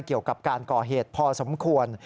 เกี่ยวกับการก่อเหตุพอสมควร